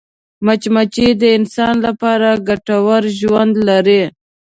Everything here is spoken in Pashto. مچمچۍ د انسان لپاره ګټور ژوند لري